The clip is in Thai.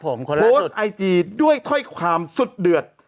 ครับผมคนล่าสุดโพสต์ไอจีด้วยถ้อยความสุดเดือด